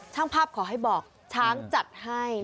ช่างภาพขอให้บอกช้างจัดให้